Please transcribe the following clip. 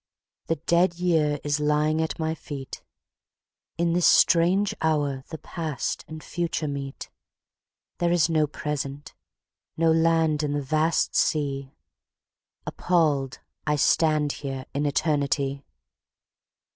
The dead year is lying at my feet; In this strange hour the past and future meet; There is no present; no land in the vast sea; Appalled, I stand here in Eternity.